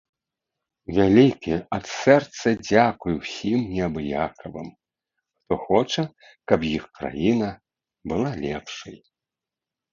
Вялікі, ад сэрца, дзякуй усім неабыякавым, хто хоча, каб іх краіна была лепшай!